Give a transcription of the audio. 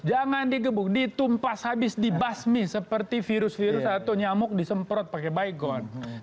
jangan digebuk ditumpas habis dibasmi seperti virus virus atau nyamuk disemprot pakai baegon